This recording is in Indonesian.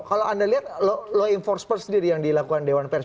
kalau anda lihat law enforcement sendiri yang dilakukan dewan pers